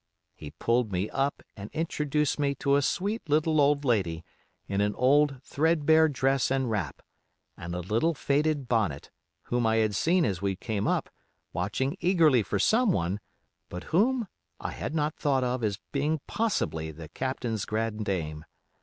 He pulled me up and introduced me to a sweet little old lady, in an old, threadbare dress and wrap, and a little, faded bonnet, whom I had seen as we came up, watching eagerly for someone, but whom I had not thought of as being possibly the Captain's grand dame.